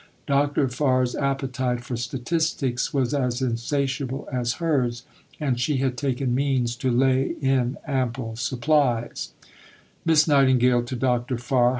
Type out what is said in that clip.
Dr. Farr's appetite for statistics was as insatiable as hers, and she had taken means to lay in ample supplies: (_Miss Nightingale to Dr. Farr.